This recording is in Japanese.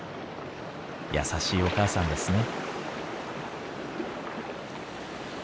優しいお母さんですね。